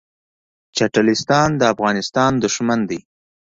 پاکستان د افغانستان دښمن دی.